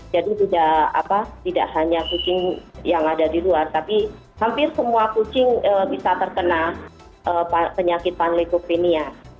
jadi tidak hanya kucing yang ada di luar tapi hampir semua kucing bisa terkena penyakit panleukopenia